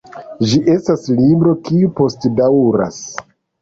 Ĝi estas libro kiu postdaŭras.